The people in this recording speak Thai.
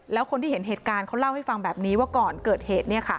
แล้วคนที่เห็นเหตุการณ์เขาเล่าให้ฟังแบบนี้ว่าก่อนเกิดเหตุ